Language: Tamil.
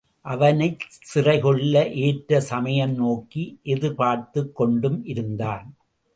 அவனைச் சிறைகொள்ள ஏற்ற சமயம் நோக்கி எதிர்பார்த்துக் கொண்டும் இருந்தான்.